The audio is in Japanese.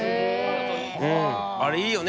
あれいいよね